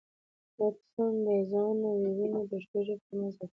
لطفاً د ځانه وييونه پښتو ژبې ته مه اضافه کوئ